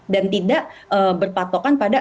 dan tidak berpatokan pada